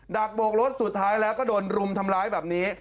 ักโบกรถสุดท้ายแล้วก็โดนรุมทำร้ายแบบนี้